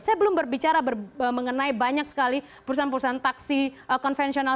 saya belum berbicara mengenai banyak sekali perusahaan perusahaan taksi konvensional